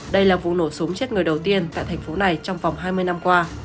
đây là vụ nổ súng chết người đầu tiên tại thành phố này trong vòng hai mươi năm qua